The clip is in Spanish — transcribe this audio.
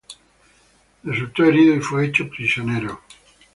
Resultó herido y fue hecho prisionero.